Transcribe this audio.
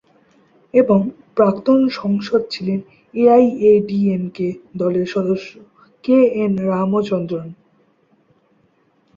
এবং প্রাক্তন সংসদ ছিলেন এআইএডিএমকে দলের সদস্য কে এন রামচন্দ্রন।